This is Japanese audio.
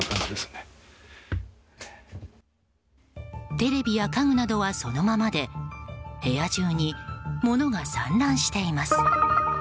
テレビや家具などはそのままで部屋中に物が散乱しています。